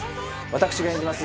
私が演じます